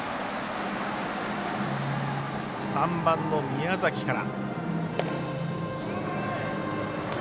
３番の宮崎から。